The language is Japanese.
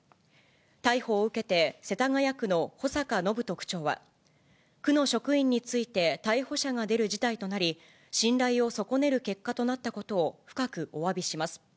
逮捕を受けて、世田谷区の保坂展人区長は、区の職員について逮捕者が出る事態となり、信頼を損ねる結果となったことを深くおわびします。